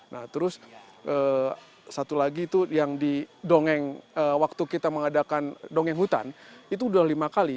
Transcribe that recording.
nah terus satu lagi itu yang di dongeng waktu kita mengadakan dongeng hutan itu udah lima kali